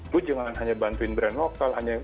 gue jangan hanya bantuin brand lokal hanya